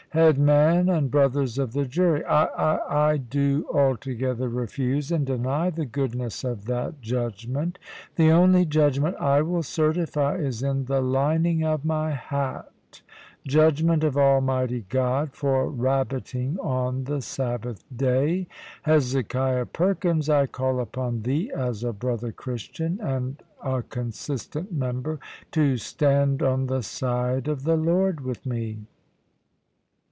"Head man, and brothers of the jury, I I I do altogether refuse and deny the goodness of that judgment. The only judgment I will certify is in the lining of my hat, 'Judgment of Almighty God, for rabbiting on the Sabbath day.' Hezekiah Perkins, I call upon thee, as a brother Christian, and a consistent member, to stand on the side of the Lord with me."